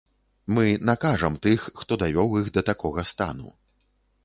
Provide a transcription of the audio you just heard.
Мы накажам тых, хто давёў іх да такога стану.